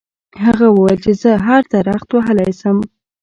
هغه وویل چې زه هر درخت وهلی شم.